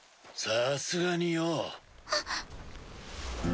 さすがによ。あっ。